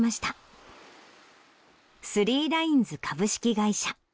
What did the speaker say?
スリーラインズ株式会社。